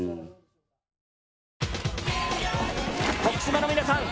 徳島の皆さん